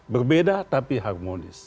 berbeda tapi harmonis